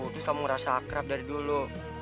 terus kamu ngerasa akrab dari dulu